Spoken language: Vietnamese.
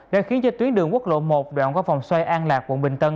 đã khiến cho tuyến đường quốc lộ một đoạn qua vòng xoay an lạc quận bình tân